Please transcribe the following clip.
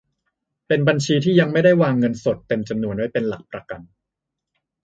เป็นบัญชีที่ยังไม่ต้องวางเงินสดเต็มจำนวนไว้เป็นหลักประกัน